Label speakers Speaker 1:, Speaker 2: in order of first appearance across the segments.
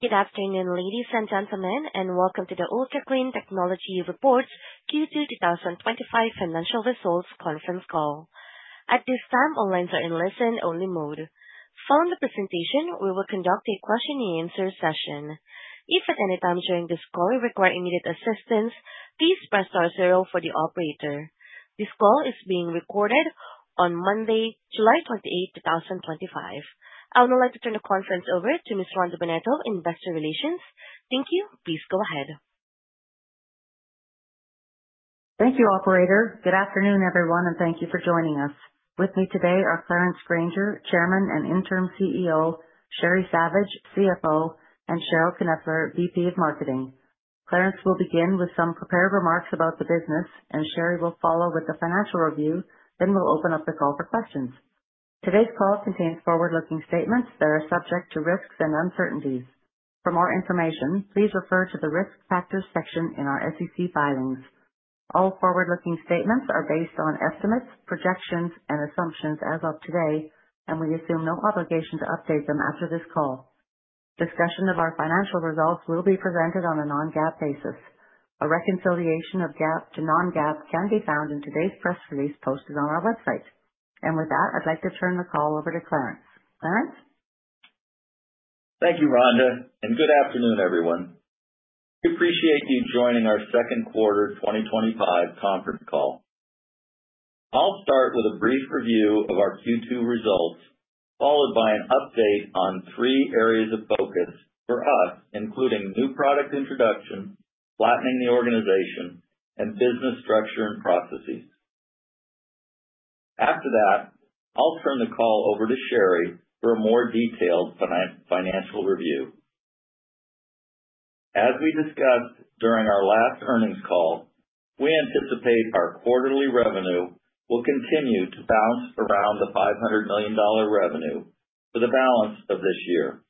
Speaker 1: Good afternoon, ladies and gentlemen, and welcome to the Ultra Clean Technology Reports Q2 2025 Financial Results conference call. At this time, all lines are in listen-only mode. Following the presentation, we will conduct a question-and-answer session. If at any time during this call you require immediate assistance, please press star zero for the operator. This call is being recorded on Monday, July 28, 2025. I would now like to turn the conference over to Ms. Rhonda Bennetto of Investor Relations. Thank you. Please go ahead.
Speaker 2: Thank you, operator. Good afternoon, everyone, and thank you for joining us. With me today are Clarence Granger, Chairman and Interim CEO, Sheri Savage, CFO, and Cheryl Knepfler, VP of Marketing. Clarence will begin with some prepared remarks about the business, and Sheri will follow with the financial review. We'll open up the call for questions. Today's call contains forward-looking statements that are subject to risks and uncertainties. For more information, please refer to the Risk Factors section in our SEC filings. All forward-looking statements are based on estimates, projections, and assumptions as of today and we assume no obligation to update them. After this call, discussion of our financial results will be presented on a non-GAAP basis. Please. A reconciliation of GAAP to non-GAAP. Can be found in today's press release posted on our website. With that, I'd like to turn the call over to Clarence. Clarence.
Speaker 3: Thank you, Rhonda, and good afternoon, everyone. We appreciate you joining our second quarter 2025 conference call. I'll start with a brief review of our Q2 results, followed by an update on three areas of focus for us, including new product introduction, flattening the organization, and business structure and processes. After that, I'll turn the call over to Sheri for a more detailed financial review. As we discussed during our last earnings call, we anticipate our quarterly revenue will continue to bounce around the $500 million revenue for the balance of this year.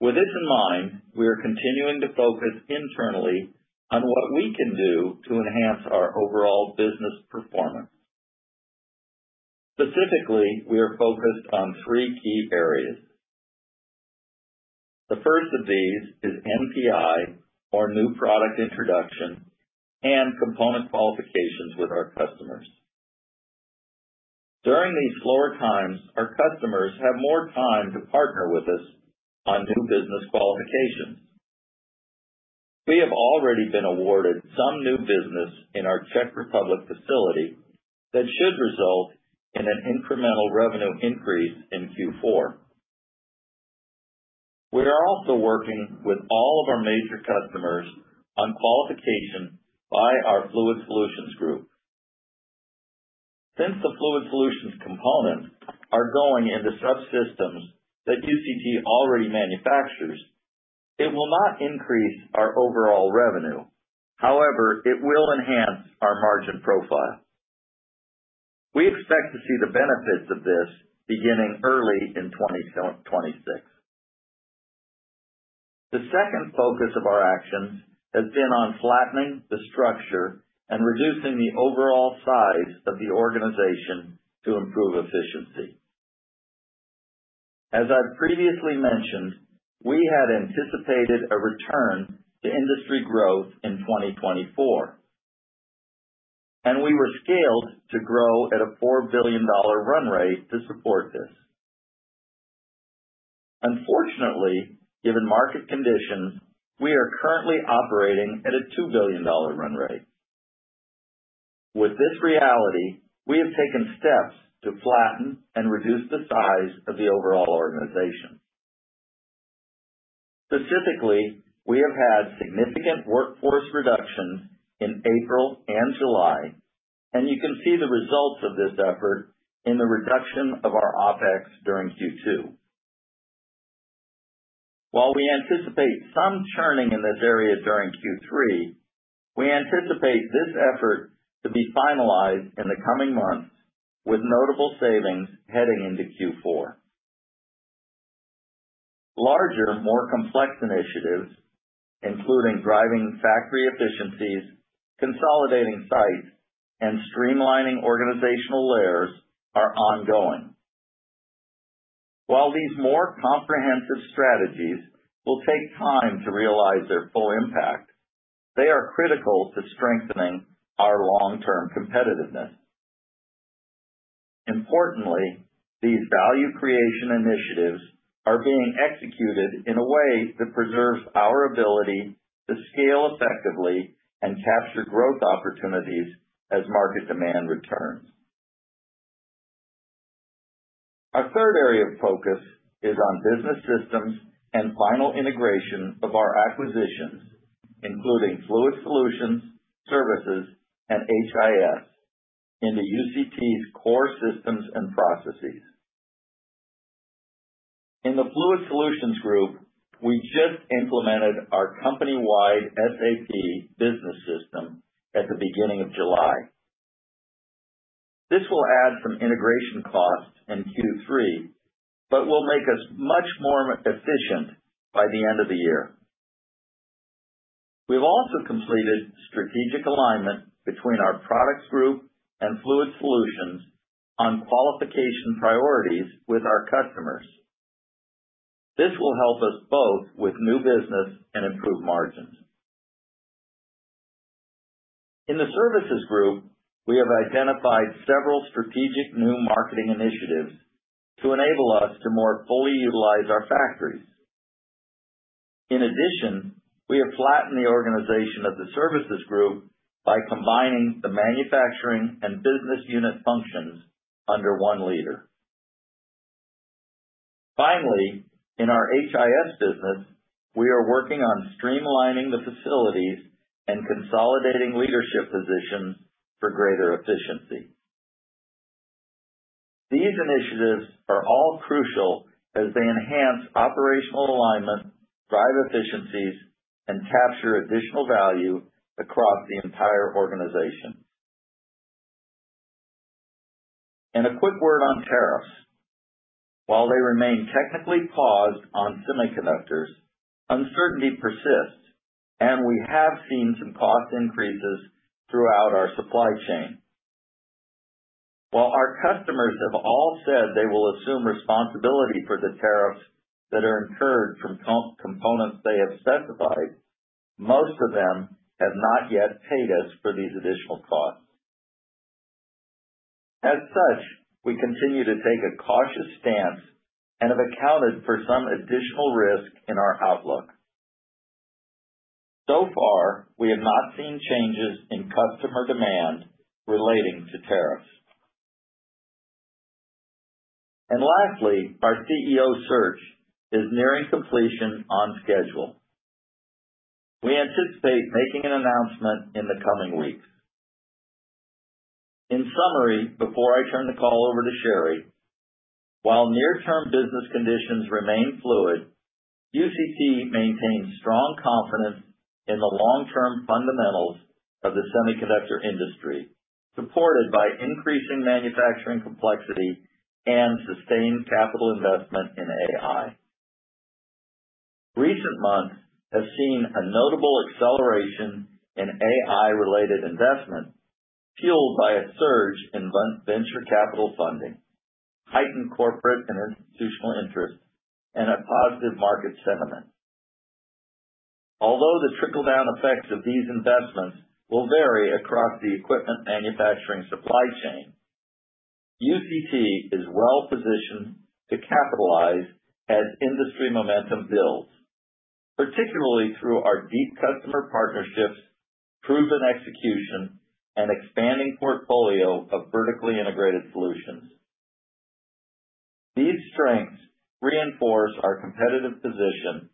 Speaker 3: With this in mind, we are continuing to focus internally on what we can do to enhance our overall business performance. Specifically, we are focused on three key areas. The first of these is NPI, or New Product Introduction, and component qualifications with our customers. During these slower times, our customers have more time to partner with us on new business qualifications. We have already been awarded some new business in our Czech Republic facility that should result in an incremental revenue increase in Q4. We are also working with all of our major customers on qualification by our Fluid Solutions group. Since the Fluid Solutions components are going into subsystems that UCT already manufactures, it will not increase our overall revenue. However, it will enhance our margin profile. We expect to see the benefits of this beginning early in 2026. The second focus of our actions has been on flattening the structure and reducing the overall size of the organization to improve efficiency. As I've previously mentioned, we had anticipated a return to industry growth in 2024, and we were scaled to grow at a $4 billion run rate to support this. Unfortunately, given market conditions, we are currently operating at a $2 billion run rate. With this reality, we have taken steps to flatten and reduce the size of the overall organization. Specifically, we have had significant workforce reduction in April and July, and you can see the results of this effort in the reduction of our OpEx during Q2. While we anticipate some churning in this area during Q3, we anticipate this effort to be finalized in the coming months with notable savings heading into Q4. Larger, more complex initiatives, including driving factory efficiencies, consolidating sites, and streamlining organizational layers, are ongoing. While these more comprehensive strategies will take time to realize their full impact, they are critical to strengthening our long-term competitiveness. Importantly, these value creation initiatives are being executed in a way that preserves our ability to scale effectively and capture growth opportunities as market demand returns. Our third area of focus is on business systems and final integration of our acquisitions, including Fluid Solutions, Services, and HIS, into UCT's core systems and processes. In the Fluid Solutions group, we just implemented our company-wide SAP business system at the beginning of July. This will add some integration costs in Q3, but will make us much more efficient by the end of the year. We've also completed strategic alignment between our Products group and Fluid Solutions on qualification priorities with our customers. This will help us both with new business and improved margins. In the Services group, we have identified several strategic new marketing initiatives to enable us to more fully utilize our factories. In addition, we have flattened the organization of the Services group by combining the manufacturing and business unit functions under one leader. Finally, in our HIS business, we are working on streamlining the facilities and consolidating leadership positions for greater efficiency. These initiatives are all crucial as they enhance operational alignment, drive efficiencies, and capture additional value across the entire organization. A quick word on tariffs: while they remain technically paused on semiconductors, uncertainty persists and we have seen some cost increases throughout our supply chain. While our customers have all said they will assume responsibility for the tariffs that are incurred from components they have said provide, most of them have not yet paid us for these additional costs. As such, we continue to take a cautious stance and have accounted for some additional risk in our outlook. So far, we have not seen changes in customer demand relating to tariffs. Lastly, our CEO search is nearing completion on schedule. We anticipate making an announcement in the coming weeks. In summary, before I turn the call over to Sheri, while near-term business conditions remain fluid, UCT maintains strong confidence in the long-term fundamentals of the semiconductor industry, supported by increasing manufacturing complexity and sustained capital investment in AI. Recent months have seen a notable acceleration in AI-related investment, fueled by a surge in venture capital funding, heightened corporate and institutional interest, and a positive market sentiment. Although the trickle-down effects of these investments will vary across the equipment manufacturing supply chain, UCT is well-positioned to capitalize as industry momentum builds, particularly through our deep customer partnerships, proven execution, and expanding portfolio of vertically integrated solutions. These strengths reinforce our competitive position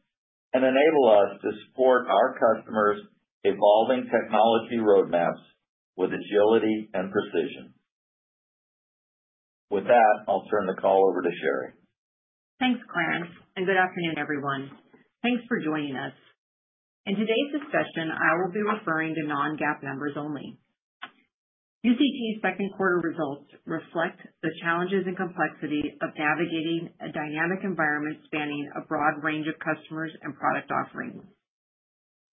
Speaker 3: and enable us to support our customers' evolving technology roadmaps with agility and precision. With that, I'll turn the call over to Sheri.
Speaker 4: Thanks, Clarence, and good afternoon, everyone. Thanks for joining us. In today's discussion, I will be referring to non-GAAP numbers only. UCT's second quarter results reflect the challenges and complexity of navigating a dynamic environment spanning a broad range of customers and product offerings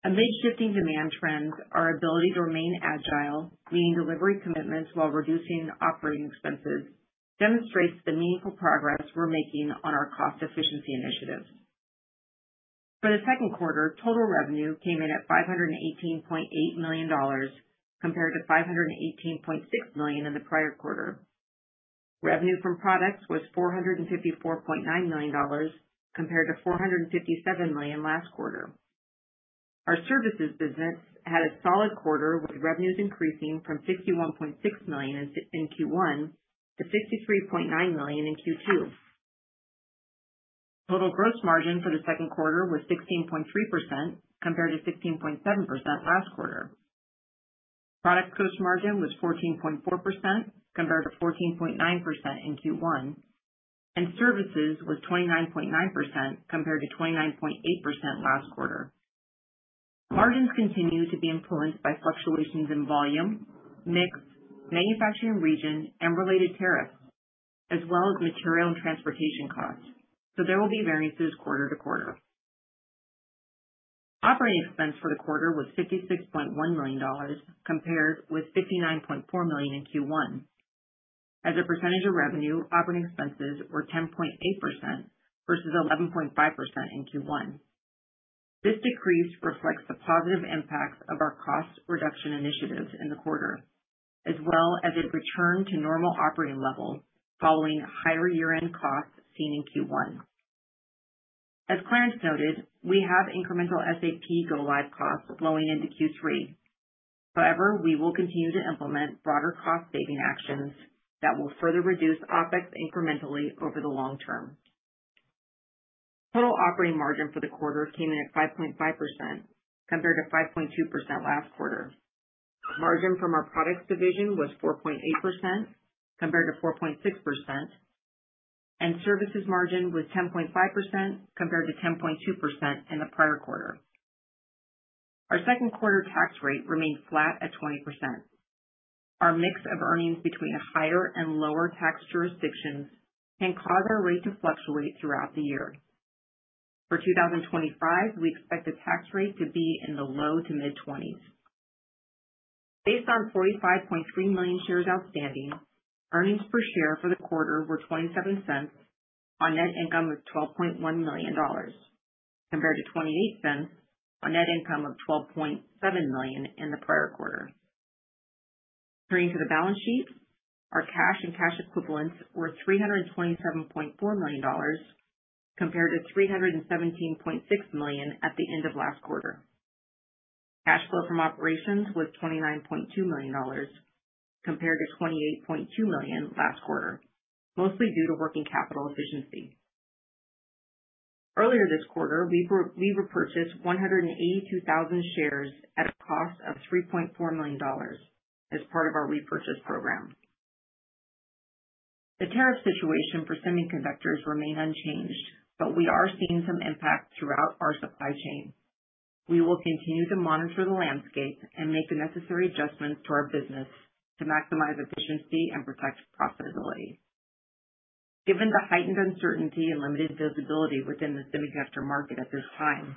Speaker 4: amid shifting demand trends. Our ability to remain agile, seeing delivery commitments while reducing operating expenses, demonstrates the meaningful progress we're making on our cost efficiency initiatives. For the second quarter, total revenue came in at $518.8 million compared to $518.6 million in the prior quarter. Revenue from products was $454.9 million compared to $457 million last quarter. Our services business had a solid quarter with revenues increasing from $61.6 million in Q1 to $53.9 million in Q2. Total gross margin for the second quarter was 16.3% compared to 15.7% last quarter. Product gross margin was 14.4% compared to 14.9% in Q1, and services was 29.9% compared to 29.8% last quarter. Margins continue to be influenced by fluctuations in volume mix, manufacturing region, and related tariffs, as well as material and transportation costs, so there will be variances quarter to quarter. Operating expense for the quarter was $56.1 million compared with $59.4 million in Q1. As a percentage of revenue, operating expenses were 10.8% versus 11.5% in Q1. This decrease reflects the positive impact of our cost reduction initiatives in the quarter, as well as a return to normal operating level following higher year-end costs seen in Q1. As Clarence noted, we have incremental SAP go-live costs flowing into Q3. However, we will continue to implement broader cost-saving actions that will further reduce OpEx incrementally over the long term. Total operating margin for the quarter came in at 5.5% compared to 5.2% last quarter. Margin from our products division was 4.8% compared to 4.6% and services margin was 10.5% compared to 10.2% in the prior quarter. Our second-quarter tax rate remained flat at 20%. Our mix of earnings between higher and lower tax jurisdictions can cause our rate to fluctuate throughout the year. For 2025, we expect the tax rate to be in the low to mid-20s. Based on 45.3 million shares outstanding, earnings per share for the quarter were $0.27 on net income of $12.1 million compared to $0.28 on net income of $12.7 million in the prior quarter. Turning to the balance sheet, our cash and cash equivalents were $327.4 million compared to $317.6 million at the end of last quarter.
Speaker 2: Cash flow from operations was $29.2 million compared to $28.2 million last quarter, mostly due to working capital efficiency. Earlier this quarter, we repurchased 182,000 shares at a cost of $3.4 million as part of our repurchase program. The tariff situation for semiconductors remains unchanged, but we are seeing some impact throughout our supply chain. We will continue to monitor the landscape and make the necessary adjustments to our business to maximize efficiency and protect profitability. Given the heightened uncertainty and limited visibility within the semiconductor market at this time,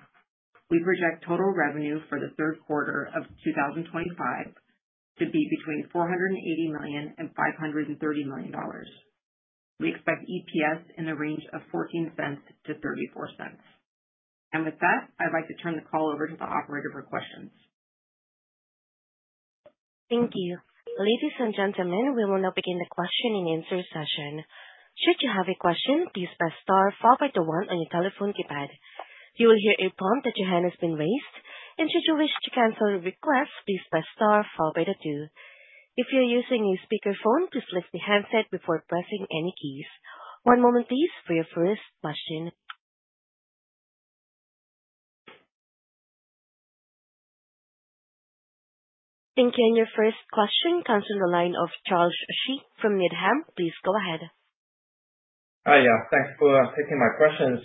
Speaker 2: we project total revenue for the third quarter of 2025 to be between $480 million and $530 million. We expect EPS in a range of $0.14 to $0.34, and with that, I'd like to turn the call over to the operator for questions.
Speaker 1: Thank you, ladies and gentlemen. We will now begin the question-and-answer session. Should you have a question, please press star followed by the one on your telephone keypad. You will hear a prompt that your hand has been raised, and should you wish to cancel your request, please press star followed by the two. If you're using your speakerphone, please lift the handset before pressing any keys. One moment, please. Your first question comes from the line of Charles Shi from Needham. Please go ahead.
Speaker 5: Hi. Thanks for taking my questions.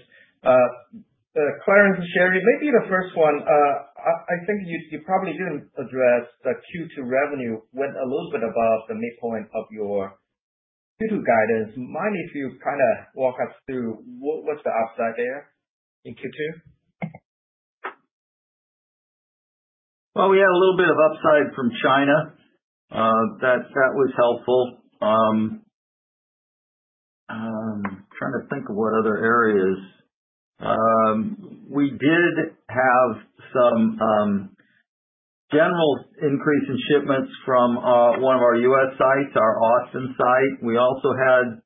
Speaker 5: Clarence, Sheri, maybe the first one. I think you probably didn't address the Q2 revenue. One went a little bit above the midpoint of your Q2 guidance. Mind if you kind of walk us. What was the upside there in Q2?
Speaker 3: We had a little bit of upside from China that was helpful. Trying to think of what other areas. We did have some general increase in shipments from one of our U.S. sites, our Austin site. We also had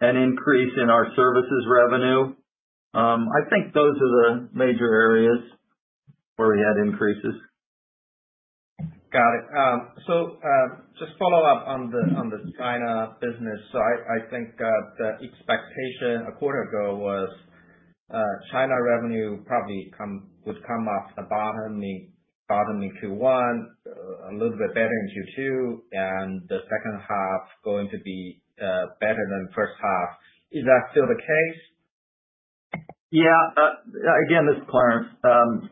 Speaker 3: an increase in our services revenue. I think those are the major areas where we had increases.
Speaker 5: Got it. To follow up on the China business, I think the expectation a quarter ago was China revenue probably would come off the bottom in Q1, a little bit better in Q2, and the second half going to be better than the first half. Is that still the case?
Speaker 3: Yeah. Again, this is Clarence.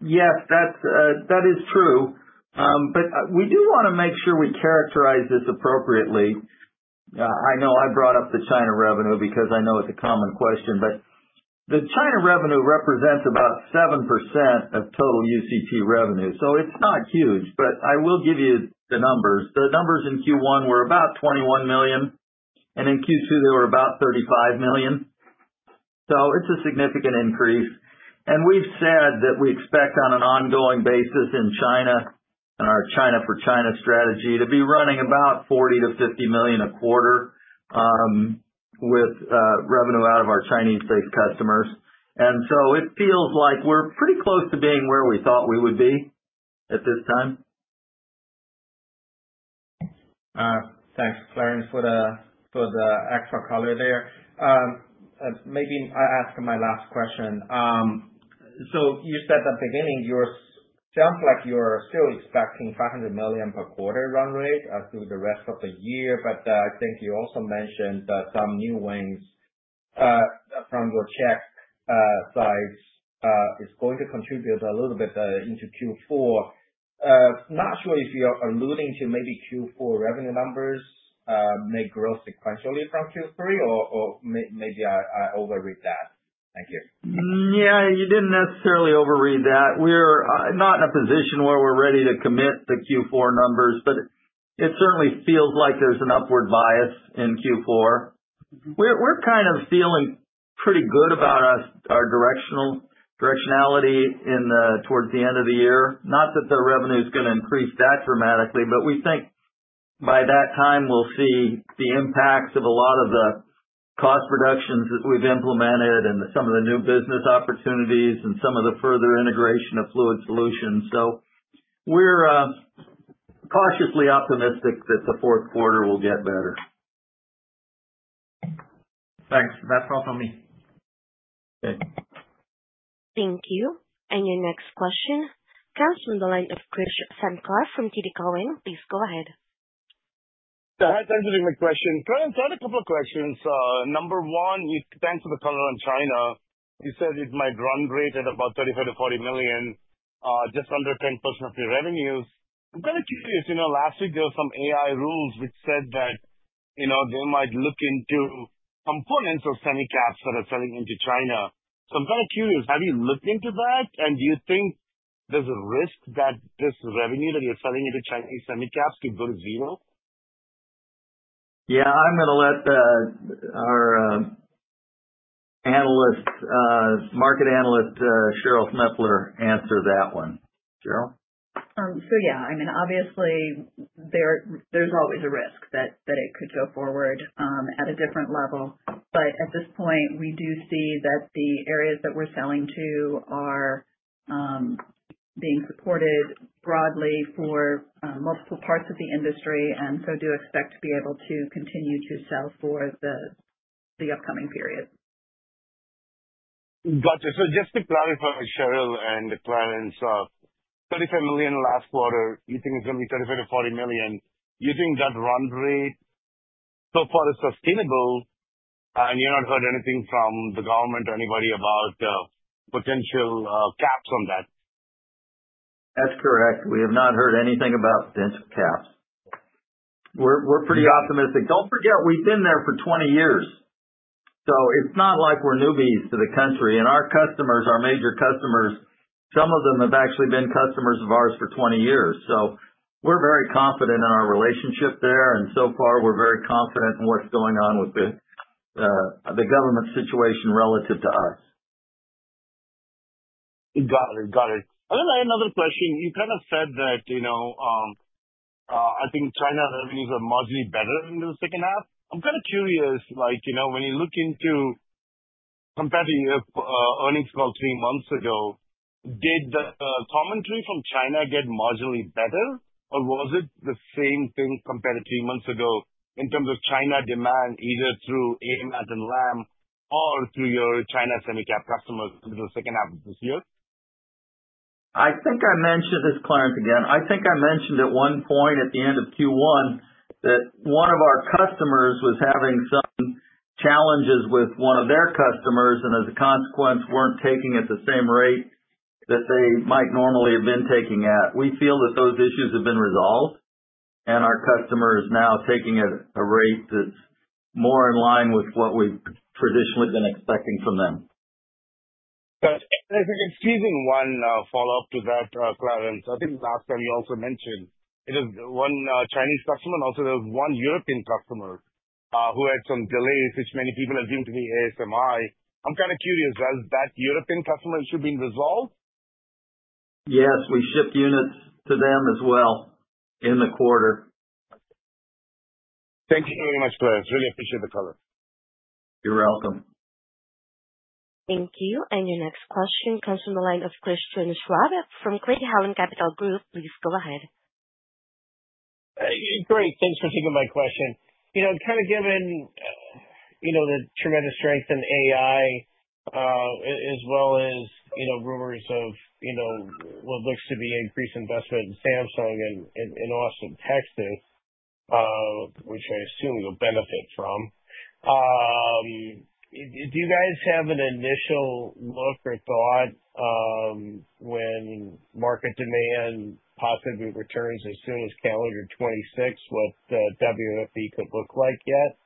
Speaker 3: Yes, that is true. We do want to make sure we characterize this appropriately. I know I brought up the China revenue because I know it's a common question, but the China revenue represents about 7% of total UCT revenue. It's not huge. I will give you the numbers. The numbers in Q1 were about $21 million, and in Q2 they were about $35 million. It's a significant increase. We've said that we expect, on an ongoing basis, in China, our China-for-China strategy to be running about $40 to $50 million a quarter with revenue out of our Chinese-based customers. It feels like we're pretty close to being where we thought we would be at this time.
Speaker 5: Thanks, Clarence, for the extra color there. Maybe I ask my last question. You said the beginning sounds like. You are still expecting $500 million per-quarter run rate through the rest of the year. I think you also mentioned some new wins from your Czech site is going to contribute a little bit into Q4. Not sure if you're alluding to maybe Q4 revenue numbers may grow sequentially from Q3, or maybe I overread that. Thank you.
Speaker 3: You didn't necessarily overread that. We're not in a position where we're ready to commit the Q4 numbers, but it certainly feels like there's an upward bias in Q4. We're kind of feeling pretty good about our directionality towards the end of the year. Not that the revenue is going to increase that dramatically, but we think by that time we'll see the impacts of a lot of the cost reductions that we've implemented, and some of the new business opportunities, and some of the further integration of Fluid Solutions. We're cautiously optimistic that the fourth quarter will get better.
Speaker 5: Thanks, that's all for me.
Speaker 3: Good.
Speaker 1: Thank you. Your next question comes from the line of Krish Sankar from TD Cowen. Please go ahead.
Speaker 6: That's answering my question. I had a couple of questions. Number one, thanks for the color. On China, you said it might run rate at about $35 to $40 million, just under 10% of your revenues. I'm kind of curious. Last week, there were some AI rules which said that they might look into components of semicaps that are selling into China. I'm kind of curious. Have you looked into that? Do you think there's a risk that this revenue that you're selling into Chinese semicaps could go to zero?
Speaker 3: Yeah, I'm going to let our analyst, market analyst Cheryl Knepfler, answer that one.
Speaker 7: Obviously, there's always a risk that it could go forward at a different level. At this point, we do see that the areas that we're selling to are being supported broadly for multiple parts of the industry, and so do expect to be able to continue to sell for the upcoming period.
Speaker 6: Gotcha. Just to clarify, Cheryl and Clarence, $35 million last quarter, you think it's only $35 to $40 million, you think that run rate so far is sustainable, and you haven't heard anything from the government or anybody about potential caps on that?
Speaker 3: That's correct. We have not heard anything about potential caps. We're pretty optimistic. Don't forget, we've been there for 20 years. It's not like we're newbies to the country, and our customers, our major customers, some of them have actually been customers of ours for 20 years. We're very confident in our relationship there, and so far, we're very confident in what's going on with the government situation relative to us.
Speaker 6: Got it. I'll add another question. You kind of said that, you know, I think China revenues are marginally better in the second half. I'm kind of curious, when you look into, compared to your earnings call three months ago, did the commentary from China get marginally better, or was it the same thing compared to three months ago in terms of China demand, either through AMAT and Lam or through your China semicap customers second half of this year?
Speaker 3: I think I mentioned this, Clarence, again. I think I mentioned at one point at the end of Q1 that one of our customers was having some challenges with one of their customers, and as a consequence, weren't taking at the same rate that they might normally have been taking at. We feel that those issues have been resolved, and our customer is now taking at a rate that's more in line with what we've traditionally been expecting from them.
Speaker 6: One follow-up to that, Clarence, I think last time you also mentioned it was one Chinese customer and also there was one European customer who had some delays, which many people assumed to be ASMI. I'm kind of curious, has that European customer issue been resolved?
Speaker 3: Yes, we shipped units to them as well in the quarter.
Speaker 8: Thank you very much, Clarence. I really appreciate it.
Speaker 3: You're welcome.
Speaker 1: Thank you. Your next question comes from the line of Christian Schwab from Craig-Hallum Capital Group. Please go ahead.
Speaker 9: Great. Thanks for taking my question. Given the tremendous strength in AI as well as rumors of what looks to be increased investment in Samsung and in Austin, Texas, which I assume you'll benefit from, do you guys have an initial look or thought when market demand possibly returns as soon as calendar 2026, what WFE. Could look like yet?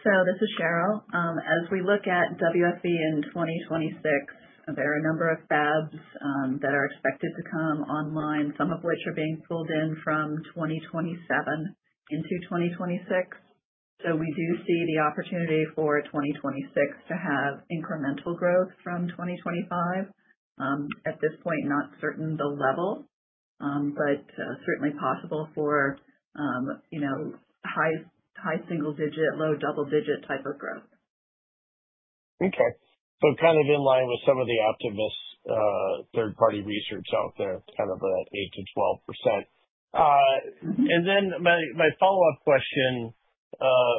Speaker 10: As we look at the wafer fab equipment market in 2026, there are a number of fabs that are expected to come online, some of which are being pulled in from 2027 into 2026. We do see the opportunity for 2026 to have incremental growth from 2025. At this point, not certain the level, but certainly possible for high single-digit, low double-digit type of growth.
Speaker 9: Okay, so kind of in line with some of the optimist third-party research out there, kind of 8 to 12%. My follow-up question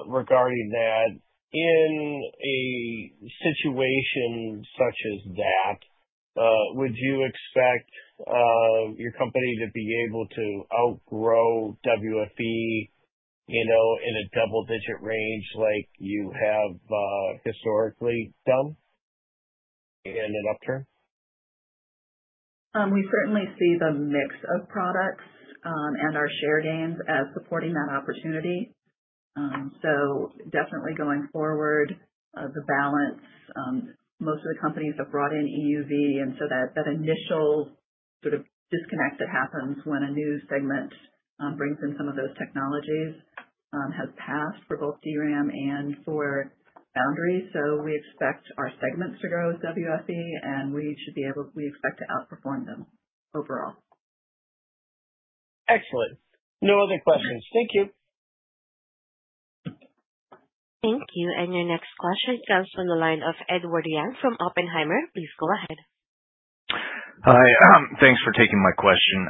Speaker 9: regarding that, in a situation such as that, would you expect your company to be able to outgrow WFE, you know, in a double-digit range like you have historically done it in an upturn?
Speaker 7: We. Certainly see the mix of products and our share gains as supporting that opportunity. Definitely going forward, the balance, most of the companies have brought in EUV, and that initial sort of disconnect that happens when a new segment brings in some of those technologies has passed for both DRAM and SoAR boundary. We expect our segments to grow with WFE, and we should be able, we expect to outperform them overall.
Speaker 9: Excellent. No other questions. Thank you.
Speaker 1: Thank you. Your next question comes from the line of Edward Yang from Oppenheimer. Please go ahead.
Speaker 11: Hi, thanks for taking my question.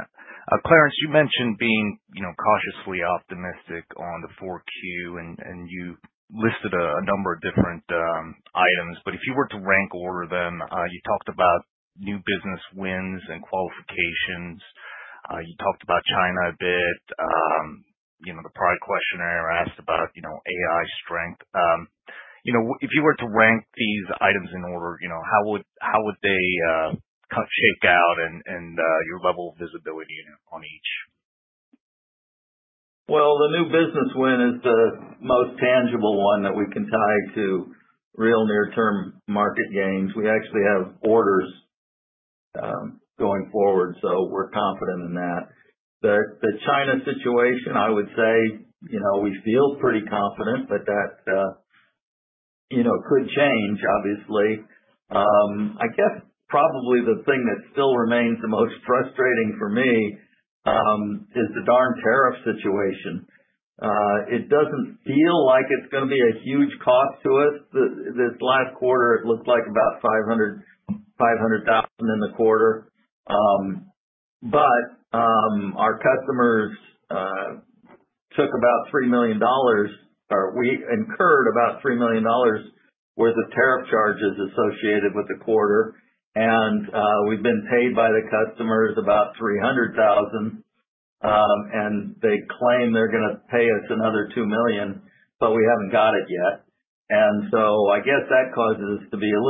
Speaker 11: Clarence, you mentioned being cautiously optimistic on the 4Q, and you listed a number of different items. If you were to rank order them, you talked about new business wins and qualifications. You talked about China a bit. The prior questionnaire asked about AI strength. If you were to rank these items in order, how would they shake out and your level of visibility on each?
Speaker 3: The new business win is the most tangible one that we can tie to real, near-term market gains. We actually have orders going forward, so we're confident in that. The China situation, I would say, we feel pretty confident that could change, obviously. I guess probably the thing that still remains the most frustrating for me is the darn tariff situation. It doesn't feel like it's going to be a huge cost to us. Last quarter, it looked like about $500,000 in the quarter, but our customers took about $3 million, or we incurred about $3 million worth of tariff charges associated with the quarter. We've been paid by the customers about $300,000, and they claim they're going to pay us another $2 million, but we haven't got it yet. I guess that causes us to be a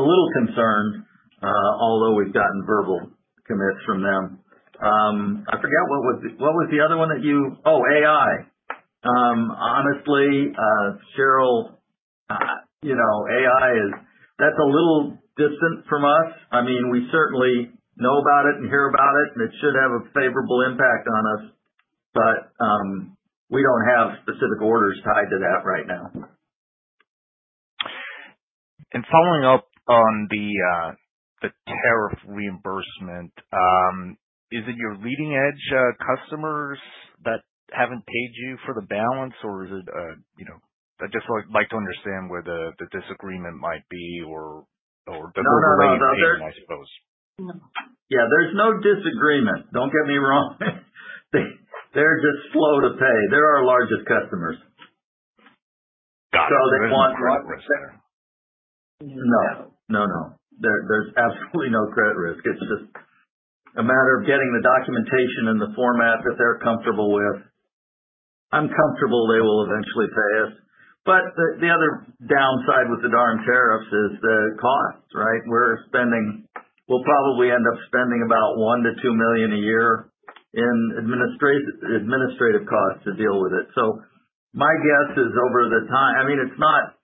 Speaker 3: little concerned, although we've gotten verbal commits from them. I forget what was the other one that you—oh, AI. Honestly, Cheryl, you know, AI is, that's a little distant from us. I mean, we certainly know about it and hear about it, and it should have a favorable impact on us, but we don't have specific orders tied to that right now.
Speaker 11: Following up on the tariff reimbursement, is it your leading-edge customers that haven't paid you for the balance, or is it, you know, I just like to understand where the disagreement might be.
Speaker 3: There's no disagreement, don't get me wrong, they're just slow to pay. They're our largest customers. No, no, no, there's absolutely no credit risk. It's just a matter of getting the documentation in the format that they're comfortable with. I'm comfortable they will eventually pay us. The other downside with the darn tariffs is the costs, right? We're spending, we'll probably end up spending about $1 million to $2 million a year in administrative costs to deal with it. My guess is over the time, I mean, it's not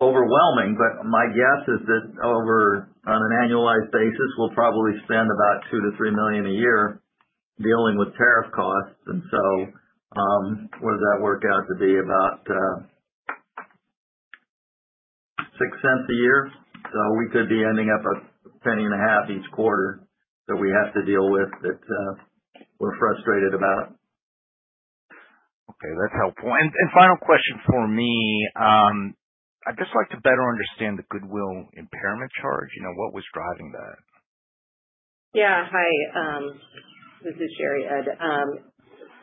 Speaker 3: overwhelming, but my guess is that over on an annualized basis, we'll probably spend about $2 million to $3 million a year dealing with tariff costs. What does that work out to be? About $0.06 a year. We could be ending up at $0.105 each quarter that we have to deal with that we're frustrated about.
Speaker 11: That's helpful. Final question for me. I'd just like to better understand the goodwill impairment charge. You know what was driving that?
Speaker 4: Yeah, hi, this is Sheri.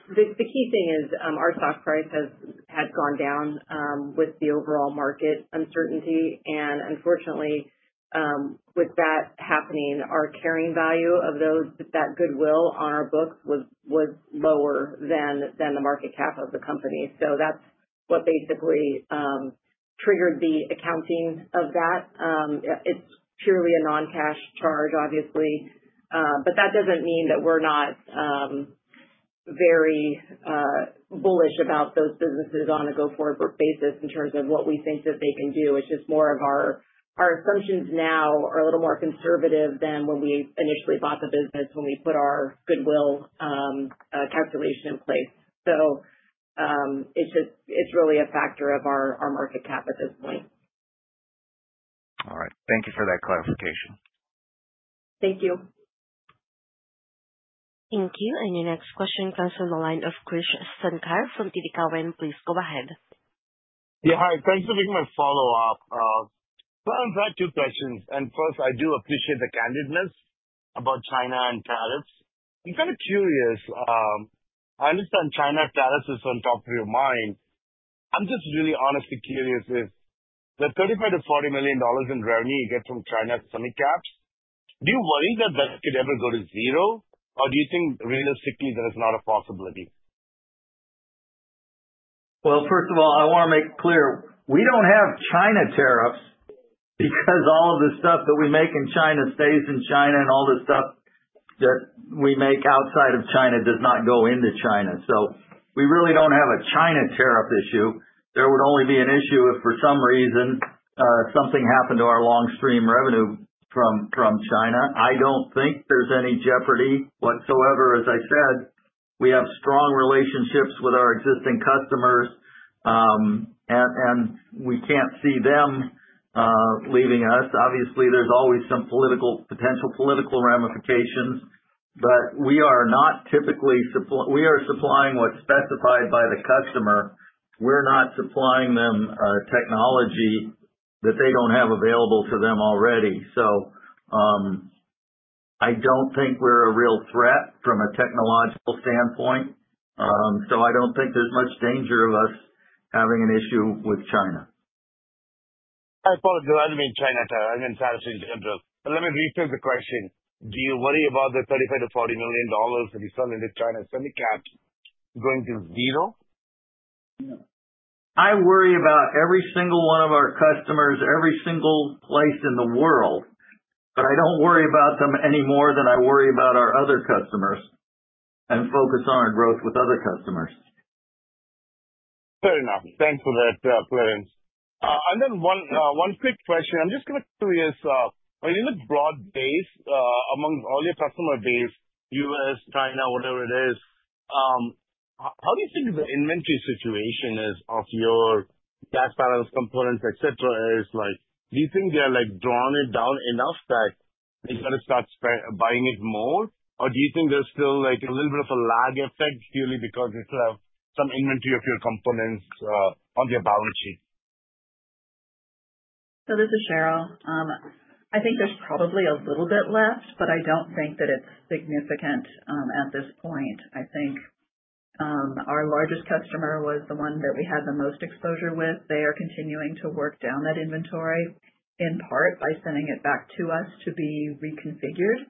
Speaker 4: The key thing is our stock price has gone down with the overall market uncertainty, and unfortunately, with that happening, our carrying value of that goodwill on our book was lower than the market cap of the company. That's what basically triggered the accounting of that. It's purely a non-cash charge, obviously, but that doesn't mean that we're not very bullish about those businesses on a go-forward basis in terms of what we think that they can do. It's just more of our assumptions now are a little more conservative than when we initially bought the business, when we put our goodwill calculation in place. It's really a factor of our market cap at this point.
Speaker 11: All right, thank you for that clarification.
Speaker 4: Thank you.
Speaker 1: Thank you. Your next question comes from the line of Krish Sankar from TD Cowen. Please go ahead.
Speaker 6: Yeah, hi. Thanks for making my follow-up. Two questions. First, I do appreciate the candidness about China and tariffs. I'm kind of curious. I understand China tariffs is on top of your mind. I'm just really, honestly curious. If the $35 to $40 million in revenue you get from China's summit caps, do you worry that that could ever go to zero, or do you think realistically that is not a possibility?
Speaker 3: First of all, I want to make clear we don't have China tariffs because all the stuff that we make in China stays in China, and all the stuff that we make outside of China does not go into China. We really don't have a China tariff issue. There would only be an issue if, for some reason, something happened to our long stream revenue from China. I don't think there's any jeopardy whatsoever. As I said, we have strong relationships with our existing customers, and we can't see them leaving us. Obviously, there's always some political potential, political ramifications, but we are not typically, we are supplying what's specified by the customer. We're not supplying them technology that they don't have available to them already. I don't think we're a real threat from a technological standpoint. I don't think there's much danger of us having an issue with China.
Speaker 6: I mean China, I mean, satisfying. Let me rephrase the question. Do you worry about the $35 to $40 million that you sell into China semicap going to zero?
Speaker 3: I worry about every single one of our customers, every single place in the world, but I don't worry about them any more than I worry about our other customers, and focus on our growth with other customers.
Speaker 6: Fair enough. Thanks for that, Clarence. One quick question. I'm just curious, in the broad base among all your customer base, U.S., China, whatever it is, how do you think the inventory situation is of your cash balance, components, etc.? Do you think they've drawn it down enough that they kind of start buying more, or do you think there's still a little bit of a lag effect purely because you still have some inventory of your components on your balance sheet?
Speaker 7: I think there's probably a little bit. I don't think that it's significant at this point. I think our largest customer was the one that we had the most exposure with. They are continuing to work down that inventory in part by sending it back to us to be reconfigured.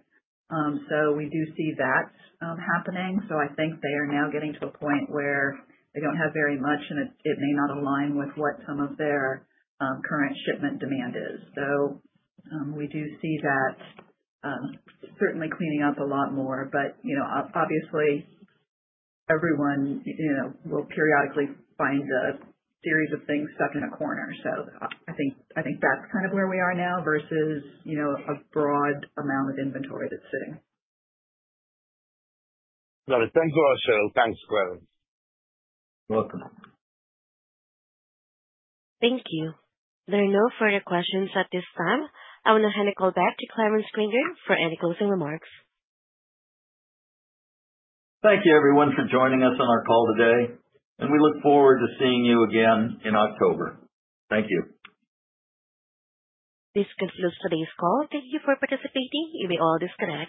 Speaker 7: We do see that happening. I think they are now getting to a point where they don't have very much, and it may not align with what some of their current shipment demand is. We do see that, certainly, cleaning up a lot more. Obviously, everyone will periodically find a series of things stuck in a corner. I think that's kind of where we are now versus a broad amount of inventory that's sitting.
Speaker 6: Thank you, Clarence.
Speaker 3: Welcome.
Speaker 1: Thank you. There are no further questions at this time. I will now hand the call back to Clarence Granger for any closing remarks.
Speaker 3: Thank you, everyone, for joining us on our call today. We look forward to seeing you again in October. Thank you.
Speaker 1: This concludes today's call. Thank you for participating. You may all disconnect.